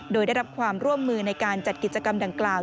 โดยได้รับความร่วมมือในการจัดกิจกรรมดังกล่าว